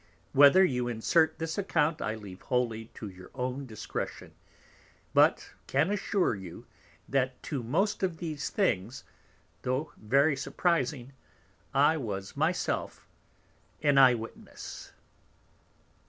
Whether you insert this Account, I leave wholly to your own Discretion; but can assure you, that to most of these things, tho' very surprizing, I was my self an Eye witness.